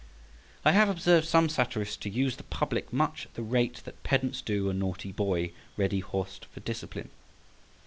I have observed some satirists to use the public much at the rate that pedants do a naughty boy ready horsed for discipline.